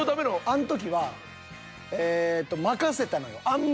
あん時はええっと任せたのよ。